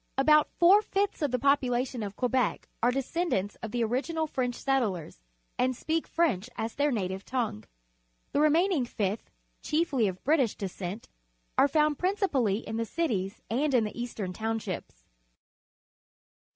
About four fifths of the population of Quebec are descendants of the original French settlers and speak French as their native tongue. The remaining fifth, chiefly of British descent, are found principally in the cities and in the Eastern Townships.